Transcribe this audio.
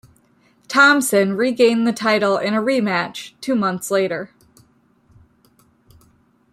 Thomson regained the title in a rematch two months later.